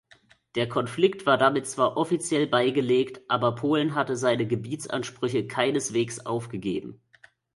Der Konflikt war damit zwar offiziell beigelegt, aber Polen hatte seine Gebietsansprüche keineswegs aufgegeben.